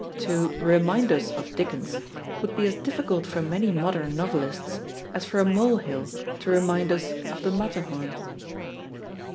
To "remind us of Dickens" would be as difficult for many modern novelists as for a molehill to remind us of the Matterhorn.